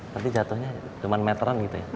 berarti jatuhnya cuma meteran gitu ya